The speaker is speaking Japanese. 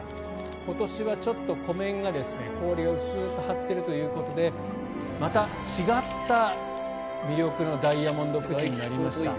今年はちょっと湖面が氷が薄く張っているということでまた違った魅力のダイヤモンド富士になりました。